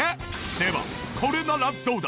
ではこれならどうだ。